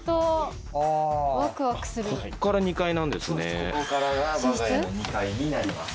ここからが我が家の２階になります。